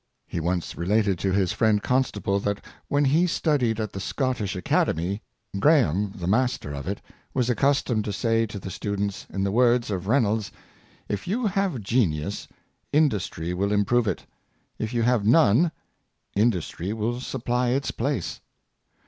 He once related to his friend Consta ble that when he studied at the Scottish Academy, Gra ham, the master of it, was accustomed to say to the students, in the words of Reynolds, " If you have gen ius, industry will improve it; if you have none, indus try will supply its place."